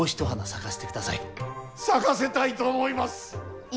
咲かせたいと思います。